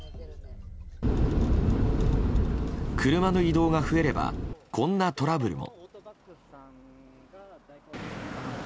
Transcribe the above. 車の移動が増えればこんなトラブルも。